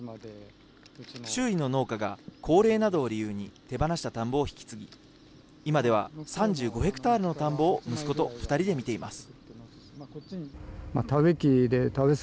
周囲の農家が高齢などを理由に手放した田んぼを引き継ぎ、今では３５ヘクタールの田んぼを息子と２人で見ています。